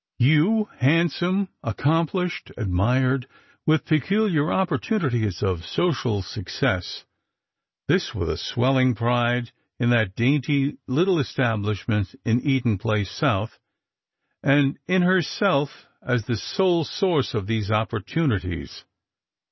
You, handsome, accomplished, admired, with peculiar opportunities of social success ;" this with a swelling pride in that dainty little establishment in Eaton place south, and in herself as the sole source of these opportunities.